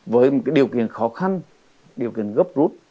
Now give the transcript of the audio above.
với một điều kiện khó khăn điều kiện gấp rút